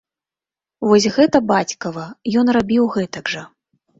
Вось гэта бацькава, ён рабіў гэтак жа.